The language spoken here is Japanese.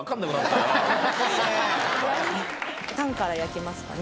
俺タンから焼きますかね